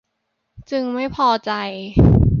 จึงไม่พอใจ